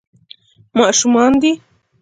ماشومان دي.